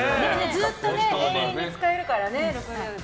ずっと永遠に使えるからね。